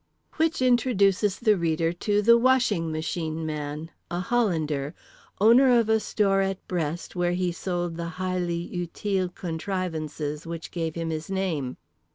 _" Which introduces the reader to The Washing Machine Man, a Hollander, owner of a store at Brest where he sold the highly utiles contrivances which gave him his name.